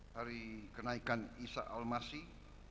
hari kenaikan isa al masih